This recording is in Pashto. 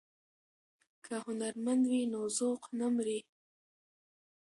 که هنرمند وي نو ذوق نه مري.